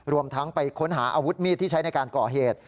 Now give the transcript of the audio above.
รวมทั้งไปค้นหาอาวุธมีดที่ใช้ในการก่อเหตุ